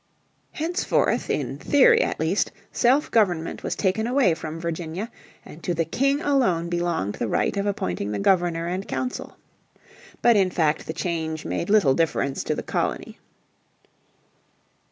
Henceforth in theory at least self government was taken away from Virginia, and to the King alone belonged the right of appointing the Governor and Council. But in fact the change made little difference to the colony.